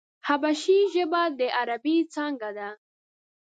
حبشي ژبه د عربي څانگه ده.